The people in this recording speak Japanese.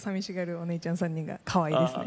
お姉ちゃん３人がかわいいですね。